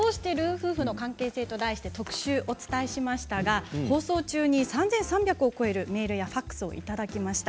夫婦の関係性」と題して特集をお伝えしましたが放送中に３３００通を超えるメールやファックスをいただきました。